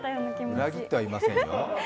裏切ってはいませんよ。